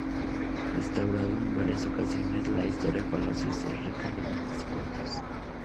Restaurado en varias ocasiones, la historia palacio es rica en leyendas y cuentos.